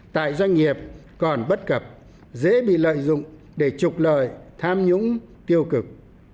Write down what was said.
tại doanh nghiệp còn bất cập dễ bị lợi dụng để trục lợi tham nhũng tiêu cực